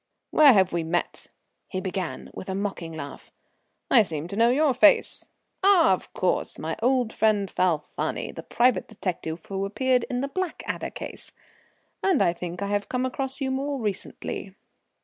"Where have we met?" he began, with a mocking laugh. "I seem to know your face. Ah, of course, my old friend Falfani, the private detective who appeared in the Blackadder case. And I think I have come across you more recently."